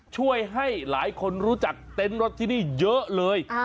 ช่วยให้หลายคนรู้จักเต็นต์รถที่นี่เยอะเลย